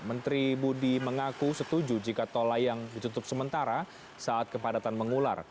menteri budi mengaku setuju jika tol layang ditutup sementara saat kepadatan mengular